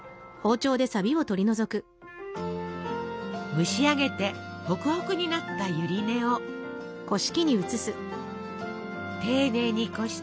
蒸し上げてホクホクになったゆり根を丁寧にこしてなめらかに。